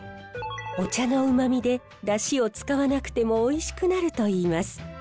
お茶のうまみでダシを使わなくてもおいしくなるといいます。